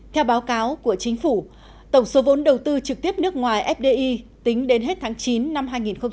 theo báo cáo của chính phủ tổng số vốn đầu tư trực tiếp nước ngoài fdi tính đến hết tháng chín năm hai nghìn một mươi tám